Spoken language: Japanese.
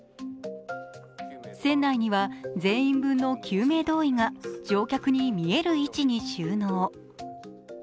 船内には全員分の救命胴衣が乗客に見える位置に収納。